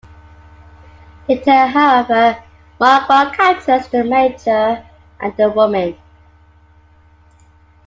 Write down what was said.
Later, however, Magua captures the major and the women.